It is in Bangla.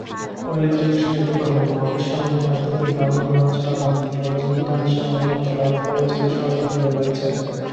উল্লেখযোগ্য সাহিত্য-কর্ম এবং অবিস্মরণীয় আধ্যাত্মিক গানগুলো রচনার মাধ্যমে রজনীকান্ত সেন অমরত্ব লাভ করে চিরস্মরণীয় হয়ে রয়েছেন।